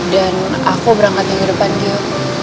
dan aku berangkat lagi depannya